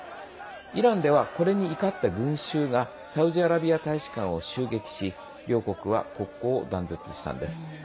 イランでは、これに怒った群衆がサウジアラビア大使館を襲撃し両国は国交を断絶したんです。